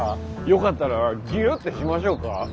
よかったらギュッてしましょうか？